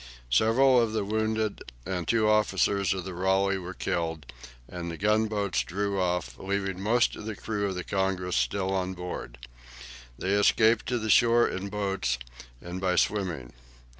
Several of the wounded and two officers of the "Raleigh" were killed, and the gunboats drew off, leaving most of the crew of the "Congress" still on board. They escaped to the shore in boats and by swimming.